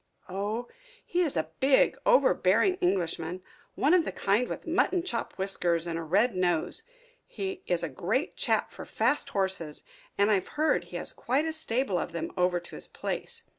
"Oh, he is a big, overbearing Englishman, one of the kind with mutton chop whiskers and a red nose. He is a great chap for fast horses, and I've heard he has quite a stable of them over to his place.